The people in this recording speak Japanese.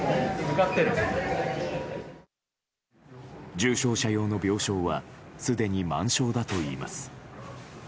重症者用の病床はすでに満床だといいます。